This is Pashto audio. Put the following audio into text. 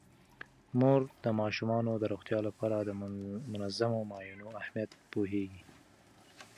مور د ماشومانو د روغتیا لپاره د منظمو معاینو اهمیت پوهیږي.